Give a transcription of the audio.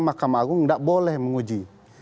mahkamah agung tidak boleh menguji